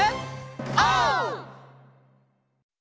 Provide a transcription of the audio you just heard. オー！